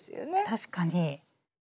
確かに。